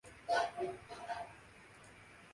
جَیسا یِہ کا فرائض بھی اللہ ہی ادا کرنا گانا